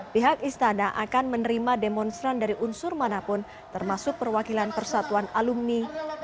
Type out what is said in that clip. pihak istana akan menerima demonstran dari unsur manapun termasuk perwakilan persatuan alumni satu ratus dua puluh satu